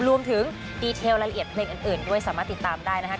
ดีเทลรายละเอียดเพลงอื่นด้วยสามารถติดตามได้นะครับ